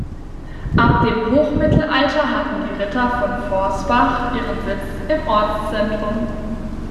Ab dem Hochmittelalter hatten die Ritter von Forsbach ihren Sitz im Ortszentrum.